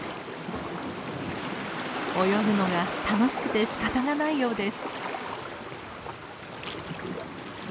泳ぐのが楽しくてしかたがないようです。